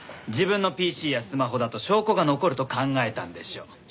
自分のＰＣやスマホだと証拠が残ると考えたんでしょう。